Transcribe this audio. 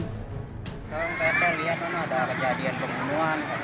ketel lihat ada kejadian pembunuhan